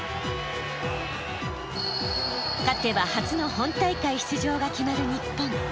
勝てば初の本大会出場が決まる日本。